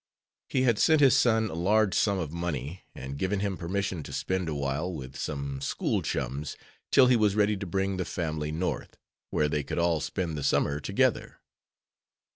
He had sent his son a large sum of money, and given him permission to spend awhile with some school chums till he was ready to bring the family North, where they could all spend the summer together.